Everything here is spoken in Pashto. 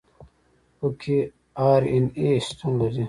پکې آر این اې شتون لري.